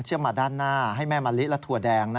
มาด้านหน้าให้แม่มะลิและถั่วแดง